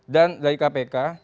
dan dari kpk